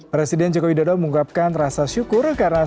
presiden joko widodo menguapkan rasa syukur karena